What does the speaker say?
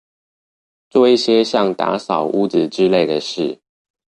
做一些像打掃屋子之類的事